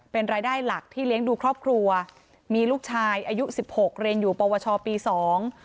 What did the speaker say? เป็นรายได้หลักที่เลี้ยงดูครอบครัวมีลูกชายอายุสิบหกเรียนอยู่ปวชปีสอง